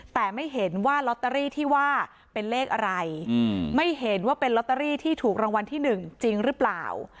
แต่ไม่เห็นว่าลอตเตอรี่ที่ว่าเป็นเลขอะไรไม่เห็นว่าเป็นลอตเตอรี่ที่ถูกรางวัลที่๑จริงหรือเปล่า